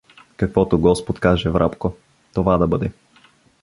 — Каквото господ каже, Врабко, това де бъде.